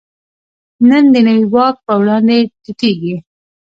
نن د نوي واک په وړاندې ټیټېږي.